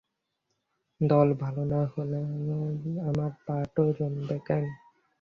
দল ভালো না হলে আমার পার্টও জমবে কেন?